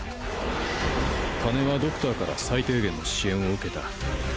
金はドクターから最低限の支援を受けた。